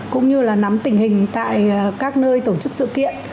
cũng như là nắm tình hình tại các nơi tổ chức sự kiện